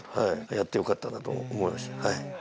やってよかったなと思いましたはい。